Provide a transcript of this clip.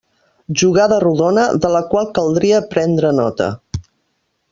Jugada rodona, de la qual caldria prendre nota.